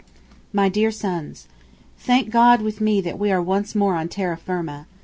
MY DEAR SONS: Thank God with me that we are once more on terra firma.